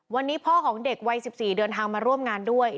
วันนี้พ่อของเด็กวัย๑๔เดินทางมาร่วมงานด้วย